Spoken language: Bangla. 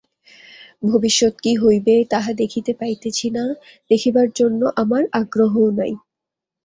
ভবিষ্যৎ কি হইবে, তাহা দেখিতে পাইতেছি না, দেখিবার জন্য আমার আগ্রহও নাই।